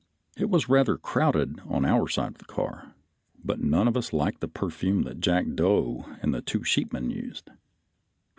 It was rather crowded on our side of the car, but none of us liked the perfume that Jackdo and the two sheepmen used.